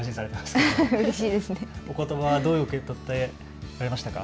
おことば、どう受け止められましたか。